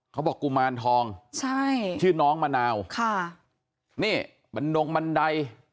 กุมารทองใช่ชื่อน้องมะนาวค่ะนี่มันดงบันได